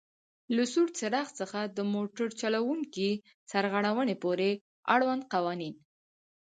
له سور څراغ څخه د موټر چلوونکي سرغړونې پورې آړوند قوانین: